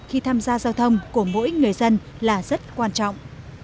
khi tham gia giao thông của mỗi người dân là rất quan trọng